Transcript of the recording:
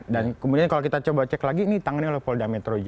dan kemudian kalau kita coba cek lagi ini ditangani oleh polda metro jaya